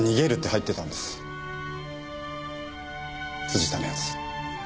藤田のやつ